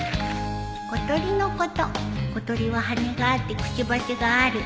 「ことりのこと」「ことりはハネがあってくちばしがある。